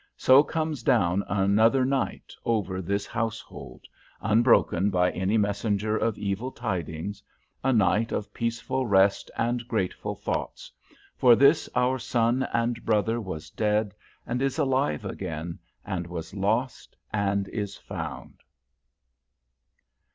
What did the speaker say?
So comes down another night over this household, unbroken by any messenger of evil tidings, a night of peaceful rest and grateful thoughts; for this our son and brother was dead and is alive again, and was lost and is found.